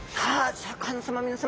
シャーク香音さま皆さま！